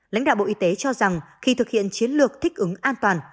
lãnh đạo bộ y tế cho rằng khi thực hiện chiến lược thích ứng an toàn